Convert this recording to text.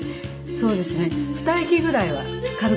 そうですよね。